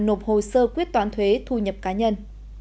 nộp hồ sơ quyết toán thuế thu nhập cá nhân